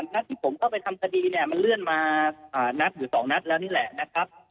นัดที่ผมเข้าไปทำคดีเนี่ยมันเลื่อนมานัดหรือ๒นัดแล้วนี่แหละนะครับ